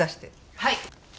はい。